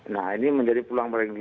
nah ini menjadi peluang berhenti